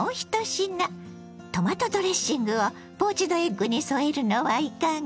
トマトドレッシングをポーチドエッグに添えるのはいかが。